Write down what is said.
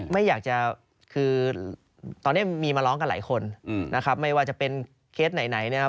ไม่อยากจะคือตอนนี้มีมาร้องกันหลายคนนะครับไม่ว่าจะเป็นเคสไหนนะครับ